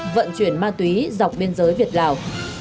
vận chuyển ma túy dọc biên giới việt lào